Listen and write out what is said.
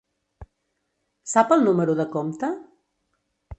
Sap el número de compte?